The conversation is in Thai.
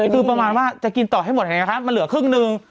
คือประมาณว่าจะกินต่อให้หมดเห็นไหมคะมันเหลือครึ่งหนึ่ง